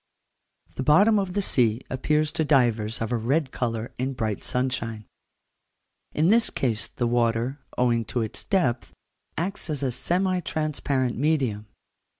The bottom of the sea appears to divers of a red colour in bright sunshine: in this case the water, owing to its depth, acts as a semi transparent medium.